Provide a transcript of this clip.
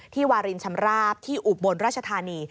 วารินชำราบที่อุบลราชธานี